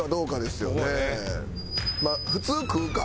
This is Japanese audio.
普通食うか。